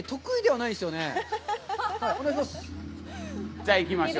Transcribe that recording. じゃあ、行きましょう。